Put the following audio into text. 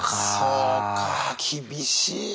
そうか厳しいね。